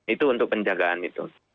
itu untuk penjagaan itu